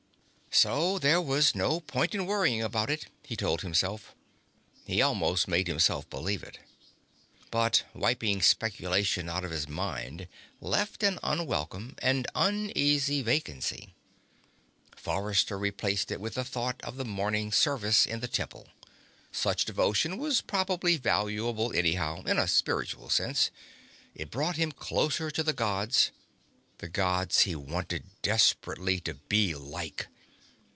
So there was no point in worrying about it, he told himself. He almost made himself believe it. But wiping speculation out of his mind left an unwelcome and uneasy vacancy. Forrester replaced it with thought of the morning's service in the Temple. Such devotion was probably valuable, anyhow, in a spiritual sense. It brought him closer to the Gods.... The Gods he wanted desperately to be like.